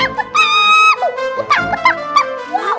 putak putak putak